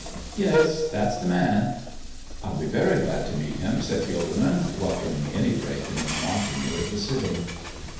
"Yes, that's the man." "I'd be very glad to meet him," said Gilderman, welcoming any break in the monotony of the sitting.